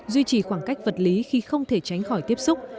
duy trì khoảng cách vật lý khi không thể tránh khỏi tiếp xúc